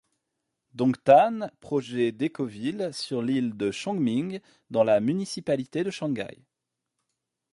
Dongtan, projet d'écoville sur l'île de Chongming, dans la municipalité de Shanghai.